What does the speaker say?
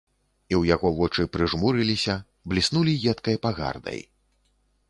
І ў яго вочы прыжмурыліся, бліснулі едкай пагардай.